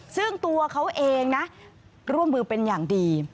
ซึ่งตัวเขาเองนะร่วมมือเป็นอย่างดี